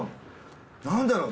何だろう。